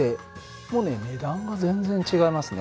もうね値段が全然違いますね。